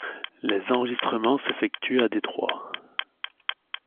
Les enregistrements s'effectuent à Détroit.